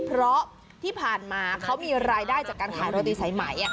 เพราะที่ผ่านมาเขามีรายได้จากการขายโรตีสายไหม